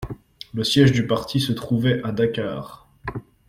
Le siège du parti se trouvait à Dakar.